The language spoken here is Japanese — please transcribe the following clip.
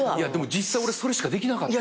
実際俺それしかできなかった。